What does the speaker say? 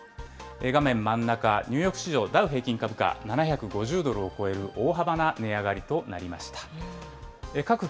画面真ん中、ニューヨーク市場、ダウ平均株価、７５０ドルを超える大幅な値上がりとなりました。